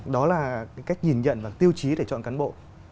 đó là cách nhìn nhận và tiêu chí để chọn cán bộ